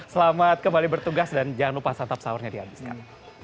selamat kembali bertugas dan jangan lupa santap sahurnya dihabiskan